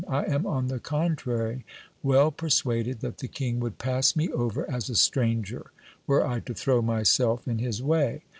I am, on the contrary, well persuaded that the king would pass me over as a stranger, were I to throw myself in his way.